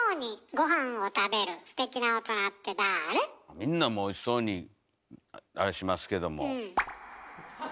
みんなもうおいしそうにあれしますけども。